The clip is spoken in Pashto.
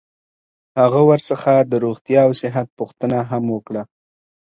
هغه ورڅخه د روغتیا او صحت پوښتنه هم وکړه.